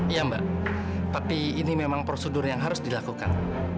iya mbak tapi ini memang prosedur yang harus dilakukan